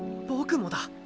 僕もだ。